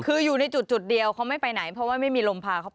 คืออยู่ในจุดเดียวเขาไม่ไปไหนเพราะว่าไม่มีลมพาเข้าไป